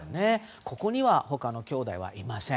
ここには他のきょうだいはいません。